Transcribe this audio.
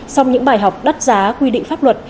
sau những bài học đắt giá quy định pháp luật